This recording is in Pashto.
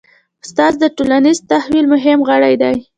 استاد د ټولنیز تحول مهم غړی دی.